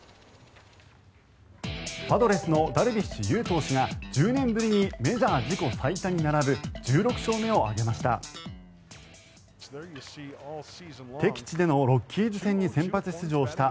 パドレスのダルビッシュ有投手が１０年ぶりにメジャー自己最多に並ぶ１６勝目を挙げました。